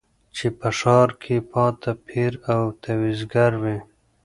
چي په ښار کي پاته پیر او تعویذګروي